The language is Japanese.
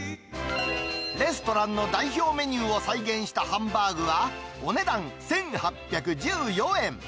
レストランの代表メニューを再現したハンバーグは、お値段、１８１４円。